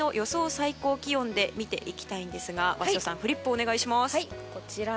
最高気温で見ていきたいんですが鷲尾さんフリップをお願いします。